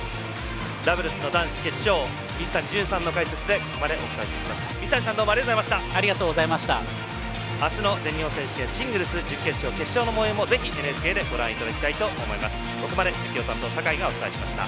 ダブルスの男子決勝水谷隼さんの解説でここまでお伝えしてきました。